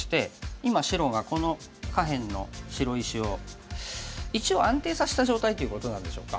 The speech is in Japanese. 今白がこの下辺の白石を一応安定させた状態ということなんでしょうか。